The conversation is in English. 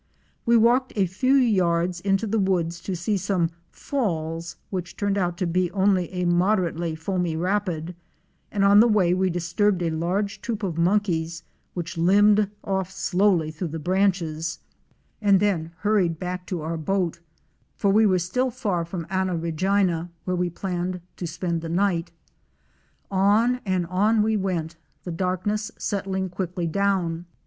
We walked a few yards into the woods to sce some "falls" which turned out to be only a moderately foamy rapid, and on the way we disturbed a large troop of monkeys which limbed off slowly through the branches; and then hurried 242 OUR SEARCH FOR A WILDERNESS. back to our boat, for we were still far from Anna Regina, where we planned to spend the night. On and on we went, the darkness settling quickly down.